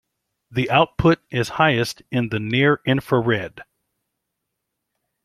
The output is highest in the near infrared.